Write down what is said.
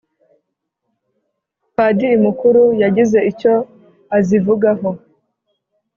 padiri mukuru yagize icyo azivugaho: